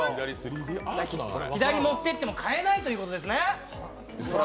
左持っていっても買えないということですね。